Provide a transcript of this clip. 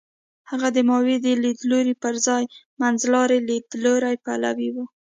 هغه د ماوو د لیدلوري پر ځای منځلاري لیدلوري پلوی و.